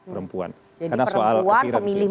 perempuan karena soal kefiransi jadi perempuan pemilih